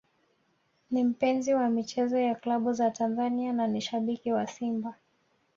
Ni mpenzi wa michezo ya klabu za Tanzania na ni shabiki wa Simba